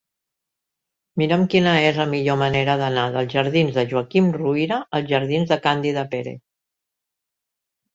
Mira'm quina és la millor manera d'anar dels jardins de Joaquim Ruyra als jardins de Càndida Pérez.